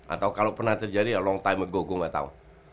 atau kalo pernah terjadi ya long time ago gue gak tau